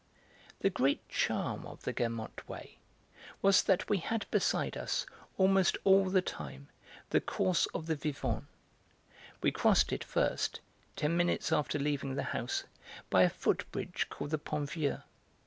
The great charm of the 'Guermantes' way was that we had beside us, almost all the time, the course of the Vivonne. We crossed it first, ten minutes after leaving the house, by a foot bridge called the Pont Vieux.